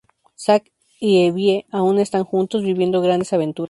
Zac y Evie aún están juntos, viviendo grandes aventuras.